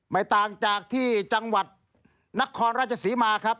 ไม่ต่างจากที่จังหวัดนครราชศรีมาครับ